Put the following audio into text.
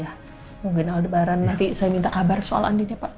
ya ya mungkin aldebaran nanti saya minta kabar soal andi nih pak